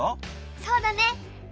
そうだね！